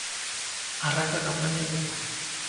Arranca a campaña en Lugo.